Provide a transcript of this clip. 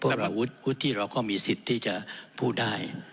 อาวุธที่เราก็มีสิทธิ์ที่จะพูดได้